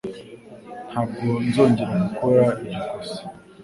Ntabwo nzongera gukora iryo kosa